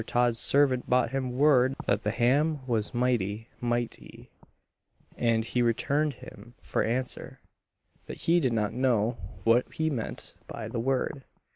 Todd's servant brought him word that the ham was mighty (mite y), and he returned him for answer, that he did not know what he meant by the word.